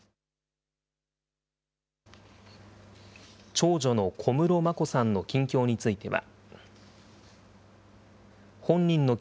長女の小室眞子さんの近況については。